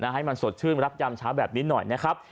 ให้มันสดชื่นรับยามเช้าแบบนี้หน่อยนะครับ